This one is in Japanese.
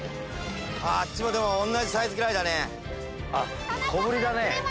あっちも同じサイズぐらいだね。